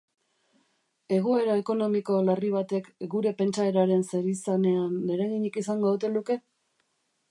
Egoera ekonomiko larri batek gure pentsaeraren zerizanean eraginik izango ote luke?